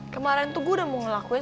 kemarin tuh gue udah mau ngelakuin